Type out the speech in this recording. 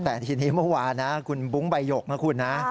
แต่ทีนี้เมื่อวานนะคุณบุ๊คใบหยกนะคุณนะ